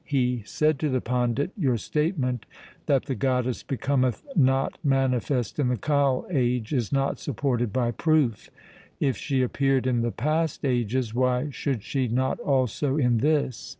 He said to the pandit, ' Your statement that the goddess becometh not manifest in the Kal age is not supported by proof. If she appeared in the past ages, why should she not also in this